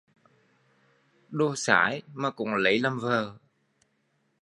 Đồ xái mà cũng lấy làm vợ